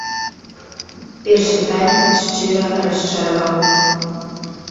Першы тайм шчыра расчараваў.